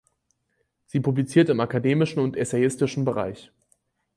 Sie publiziert im akademischen und im essayistischen Bereich.